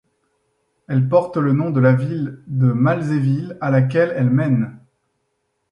Elle porte le nom de la ville de Malzéville à laquelle elle mène.